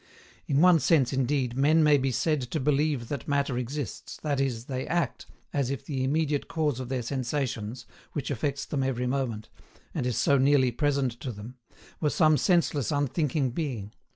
In one sense, indeed, men may be said to believe that Matter exists, that is, they ACT as if the immediate cause of their sensations, which affects them every moment, and is so nearly present to them, were some senseless unthinking being.